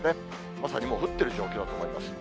まさにもう降っている状況だと思います。